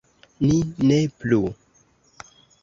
“Ni ne plu!”